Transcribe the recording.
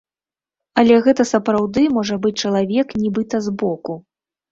Але гэта сапраўды можа быць чалавек нібыта збоку.